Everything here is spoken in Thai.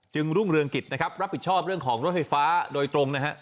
รุ่งเรืองกิจนะครับรับผิดชอบเรื่องของรถไฟฟ้าโดยตรงนะฮะ